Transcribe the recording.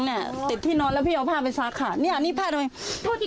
ใช่นี่เห็นไหมประจำเดือนนิยังหอยไว้ทั่วเหมือนตรงไหน